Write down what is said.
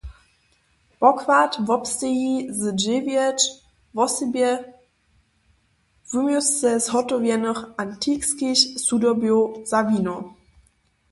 Pokład wobsteji z dźewjeć, wosebje wuměłsce zhotowjenych antikskich sudobjow za wino.